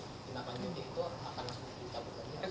ditinggalkan juga itu akan kita buka